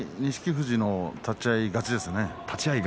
富士の立ち合い勝ちですね。